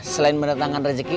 selain menentangkan rezeki